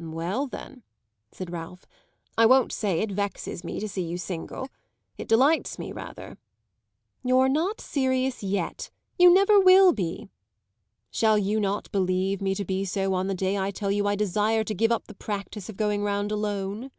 "Well then," said Ralph, "I won't say it vexes me to see you single. It delights me rather." "You're not serious yet. You never will be." "Shall you not believe me to be so on the day I tell you I desire to give up the practice of going round alone?"